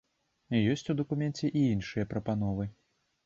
Ёсць у дакуменце і іншыя прапановы.